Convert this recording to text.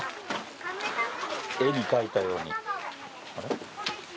絵に描いたように。